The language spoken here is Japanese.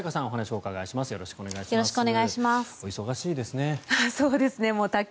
お忙しいですね。